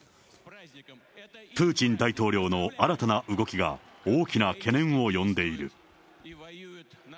プーチン大統領の新たな動きが、大きな懸念を呼んでいる。